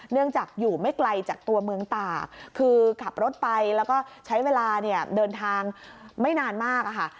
จากอยู่ไม่ไกลจากตัวเมืองตากคือขับรถไปแล้วก็ใช้เวลาเนี่ยเดินทางไม่นานมากอะค่ะ